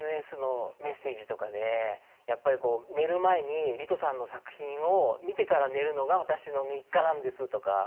ＳＮＳのメッセージとかでやっぱりこう寝る前にリトさんの作品を見てから寝るのが私の日課なんですとか。